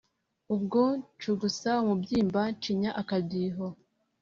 Ubwo ncugusa umubyimba ncinya akadiho